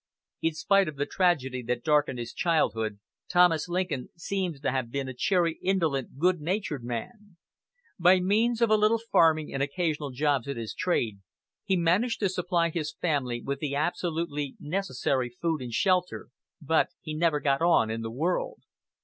In spite of the tragedy that darkened his childhood, Thomas Lincoln seems to have been a cheery, indolent, good natured man. By means of a little farming and occasional jobs at his trade, he managed to supply his family with the absolutely necessary food and shelter, but he never got on in the world.